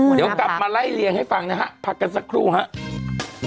เดี๋ยวกลับมาไล่เลี่ยงให้ฟังนะฮะพักกันสักครู่ครับ